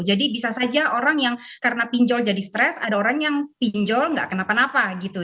jadi bisa saja orang yang karena pinjol jadi stres ada orang yang pinjol gak kenapa napa gitu